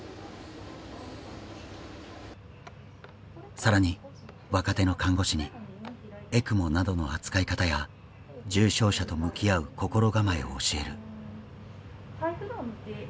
更に若手の看護師にＥＣＭＯなどの扱い方や重症者と向き合う心構えを教える。